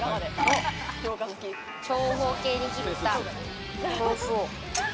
長方形に切った豆腐を。